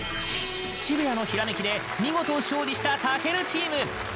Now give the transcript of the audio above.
渋谷のひらめきで見事勝利した健チーム！